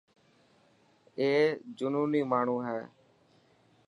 اي جنوني ماڻهو هي.